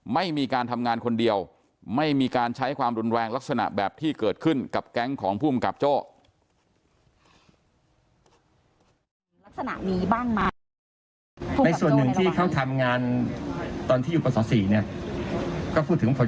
ไม่มีการทำงานคนเดียวไม่มีการใช้ความรุนแรงลักษณะแบบที่เกิดขึ้นกับแก๊งของภูมิกับโจ้